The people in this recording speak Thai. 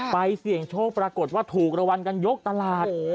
เสี่ยงโชคปรากฏว่าถูกรางวัลกันยกตลาด